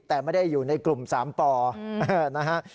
แต่ไม่ได้อยู่ในกลุ่ม๓ปนะฮะ